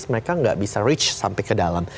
mereka nggak bisa reach sampai ke dalam